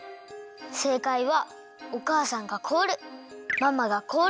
せいかいはおかあさんがこおる。